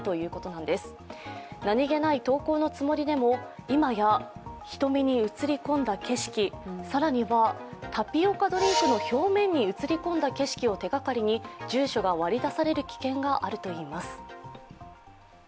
なにげない投稿のつもりでも今や瞳に映り込んだ景色更にはタピオカドリンクの表面に映り込んだ景色を手がかりに住所が割り出される危険があるといいます。